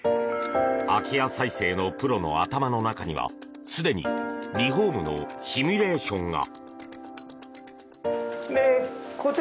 空き家再生のプロの頭の中にはすでにリフォームのシミュレーションが。